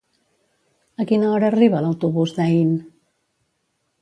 A quina hora arriba l'autobús d'Aín?